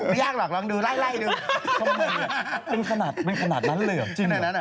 ไม่ยากหรอกลองดูไล่ดูเป็นขนาดเป็นขนาดนั้นเลยเหรอจริงเหรอ